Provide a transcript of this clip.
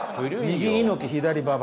右猪木左馬場。